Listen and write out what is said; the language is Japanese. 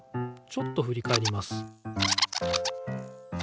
ちょっとふりかえります。